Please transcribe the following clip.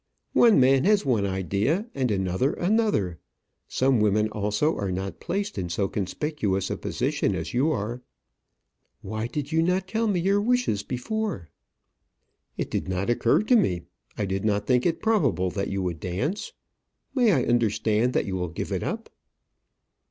One man has one idea, and another another. Some women also are not placed in so conspicuous a position as you are." "Why did you not tell me your wishes before?" "It did not occur to me. I did not think it probable that you would dance. May I understand that you will give it up?"